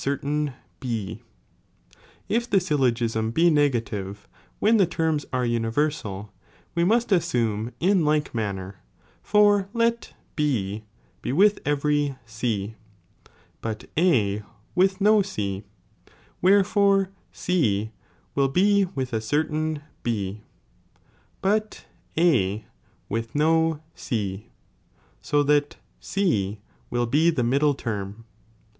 certain B. If the Byllogism be negative, when the terms are universal, we must assume ia like manner, for let B be with every C, but A with no C, wherefore C will be with a certain B, but A with no C, 80 that C will be the middle term.